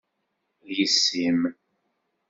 D yessi-m.